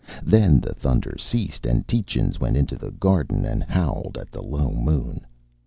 Then the thunder ceased and Tietjens went into the garden and howled at the low moon.